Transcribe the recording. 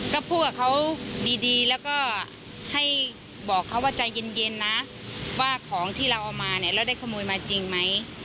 ก็พูดกับเขาดีแล้วก็ให้บอกเขาว่าใจเย็นนะว่าของที่เราเอามาเนี่ยเราได้ขโมยมาจริงไหม